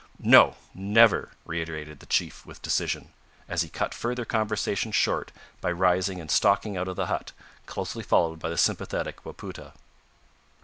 "No never!" reiterated the chief with decision, as he cut further conversation short by rising and stalking out of the hut, closely followed by the sympathetic Wapoota.